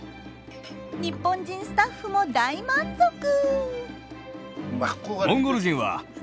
日本人スタッフも大満足！